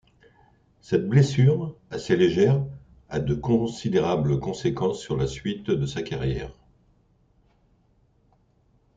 Cette blessure, assez légère, a de considérables conséquences sur la suite de sa carrière.